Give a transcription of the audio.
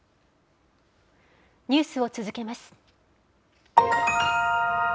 ニュースを続けます。